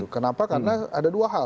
kenapa karena ada dua hal